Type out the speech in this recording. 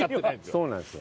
そうなんですよ。